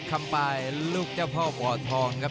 คำปลายลูกเจ้าพ่อบ่อทองครับ